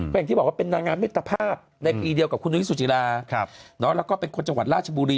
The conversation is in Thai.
เป็นอะไรเป็นนางงามิทธภาพในปีเดียวกับคุณนุ้ยสุจราเนาะแล้วก็เป็นคนจังหวัดลาชบุรี